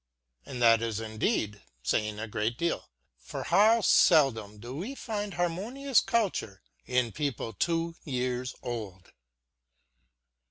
And that is indeed saying a great deal; for how seldom do we find harmonious culture in people two years old?